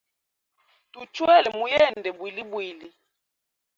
Tuchwele mu yende bwilibwli.